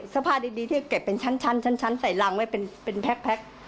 ผ้าดีที่เก็บเป็นชั้นใส่รังไว้เป็นแพ็ค